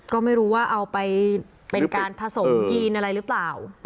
ก็ไม่รู้ว่าเอาไปเป็นการผสมยีนอะไรหรือเปล่า